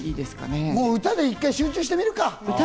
もう歌で１回集中してみるか。